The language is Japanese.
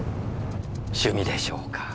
趣味でしょうか？